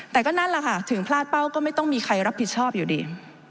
แต่ก็นั่นแหละค่ะถึงพลาดเป้าก็ไม่ต้องมีใครรับผิดชอบอยู่ดี